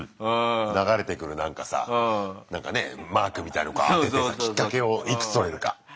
流れくるなんかさなんかねマークみたいのガーってやってさきっかけをいくつとれるか。